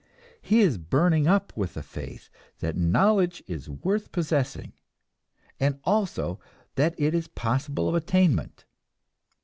He is burning up with the faith that knowledge is worth possessing, and also that it is possible of attainment.